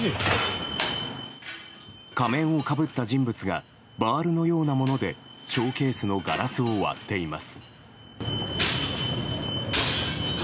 仮面をかぶった人物がバールのようなものでショーケースのガラスを割っています。